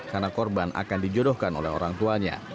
karena korban akan dijodohkan oleh orang tuanya